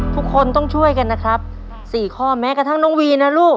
ทุกคนต้องช่วยกันนะครับสี่ข้อแม้กระทั่งน้องวีนะลูก